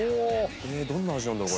どんな味なんだろう？